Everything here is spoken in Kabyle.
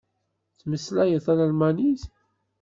Ttmeslayeɣ talmanit.